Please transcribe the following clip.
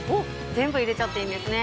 全部入れちゃっていいんですね。